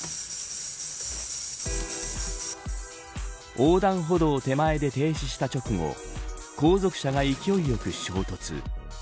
横断歩道手前で停止した直後後続車が勢い良く衝突。